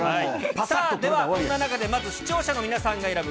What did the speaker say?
さあ、ではそんな中で、まず視聴者の皆さんが選ぶ